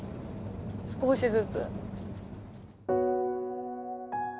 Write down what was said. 少しずつ。